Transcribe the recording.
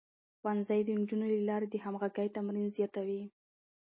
ښوونځی د نجونو له لارې د همغږۍ تمرين زياتوي.